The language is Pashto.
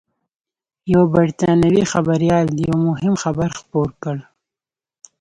یوه بریټانوي خبریال یو مهم خبر خپور کړ